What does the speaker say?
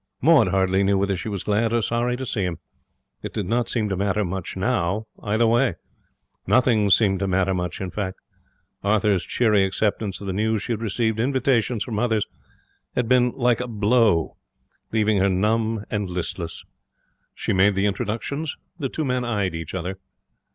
Maud hardly knew whether she was glad or sorry to see him. It did not seem to matter much now either way. Nothing seemed to matter much, in fact. Arthur's cheery acceptance of the news that she received invitations from others had been like a blow, leaving her numb and listless. She made the introductions. The two men eyed each other.